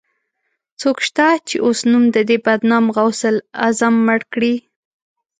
څوک شته، چې اوس نوم د دې بدنام غوث العظم مړ کړي